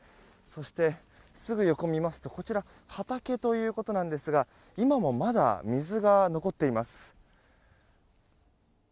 そして、すぐ横を見ますとこちら、畑ということなんですが今もまだ水が残っています。